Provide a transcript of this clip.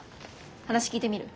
話聞いてみる？